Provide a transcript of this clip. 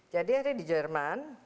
jadi hari ini di jerman